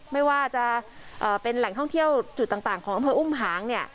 ไม่ว่าจะเอ่อเป็นแหล่งท่องเที่ยวอยู่ต่างต่างของอังเภออุ้มหางนี่